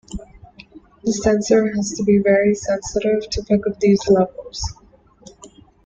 The sensor has to be very sensitive to pick up these levels.